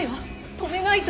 止めないと！